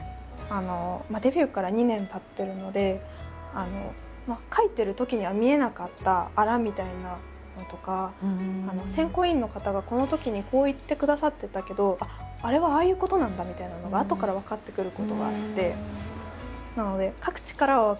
デビューから２年たってるので書いてるときには見えなかったあらみたいなのとか選考委員の方がこのときにこう言ってくださってたけどあっあれはああいうことなんだみたいなのがあとから分かってくることがあって。